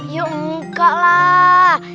ya enggak lah